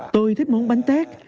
tôi thích món bánh tét